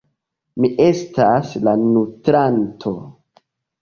Mi estas la nutranto.